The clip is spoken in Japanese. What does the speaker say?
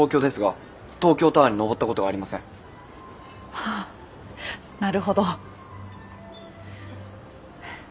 ああなるほど。